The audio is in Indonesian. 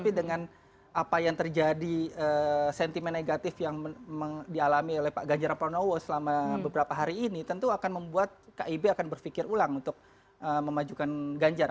tapi dengan apa yang terjadi sentimen negatif yang dialami oleh pak ganjar pranowo selama beberapa hari ini tentu akan membuat kib akan berpikir ulang untuk memajukan ganjar